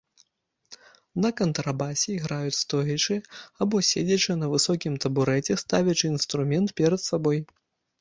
На кантрабасе іграюць стоячы або седзячы на высокім табурэце, ставячы інструмент перад сабой.